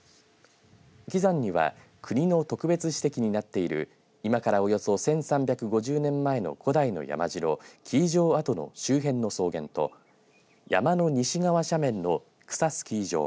基山には国の特別史跡になっている今からおよそ１３５０年前の古代の山城基肄城跡の周辺の草原と山の西側斜面の草スキー場